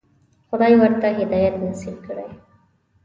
خدای ورته هدایت نصیب کړی.